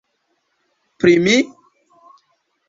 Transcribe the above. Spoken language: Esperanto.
Pri mi!?